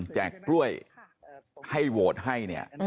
แจกรวยให้โหวตให้